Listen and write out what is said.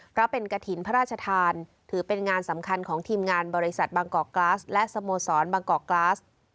เพราะเป็นกระถิ่นพระราชทานถือเป็นงานสำคัญของทีมงานบริษัทบางกอกกลาสและสโมสรบางกอกกลาส